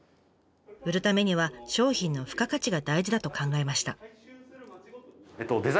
売るためには商品の付加価値が大事だと考えました。